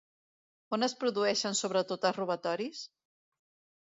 On es produeixen sobretot els robatoris?